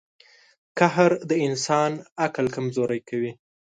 • قهر د انسان عقل کمزوری کوي.